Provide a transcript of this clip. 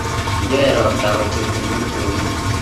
Yoei ropta kochun minutik komie